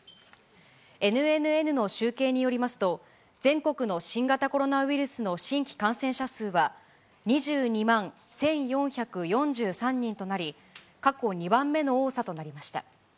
ＮＮＮの集計によりますと、全国の新型コロナウイルスの新規感染者数は２２万１４４３人となり、過去２番目の多さとなりました。